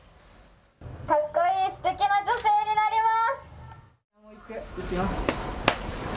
かっこいいすてきな女性になります！